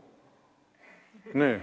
ねえ。